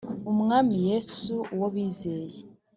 Umwami Yesu uwo bizeye